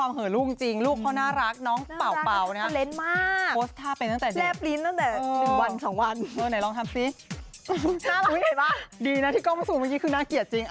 น่ารักไหมดีนะที่กล้องมันสูงเมื่อกี้คือน่าเกลียดจริง